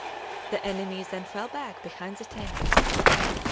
The enemy then fell back behind the Thamesis.